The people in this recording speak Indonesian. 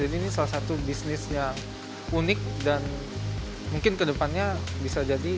jadi ini salah satu bisnis yang unik dan mungkin ke depannya bisa jadi